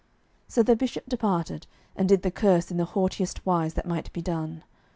So the Bishop departed, and did the curse in the haughtiest wise that might be done.